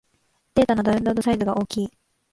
データのダウンロードサイズが大きい